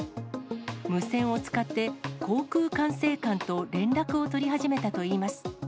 無線を使って、航空管制官と連絡を取り始めたといいます。